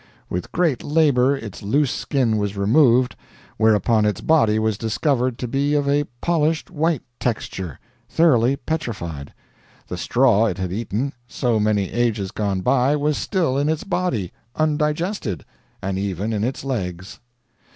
With great labor its loose skin was removed, whereupon its body was discovered to be of a polished white texture, thoroughly petrified. The straw it had eaten, so many ages gone by, was still in its body, undigested and even in its legs.